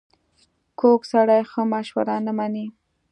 کوږ سړی ښه مشوره نه مني